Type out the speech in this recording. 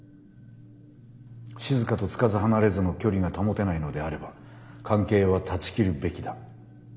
しずかとつかず離れずの距離が保てないのであれば関係は断ち切るべきだ。